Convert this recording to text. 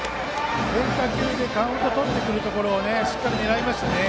変化球でカウントとってくるところしっかり狙いましたね。